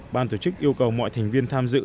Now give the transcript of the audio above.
ban tổ chức yêu cầu mọi thành viên tham dự